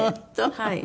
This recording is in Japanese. はい。